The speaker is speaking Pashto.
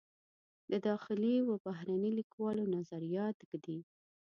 د داخلي و بهرني لیکوالو نظریات ږدي.